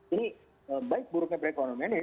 ini baik buruknya perekonomiannya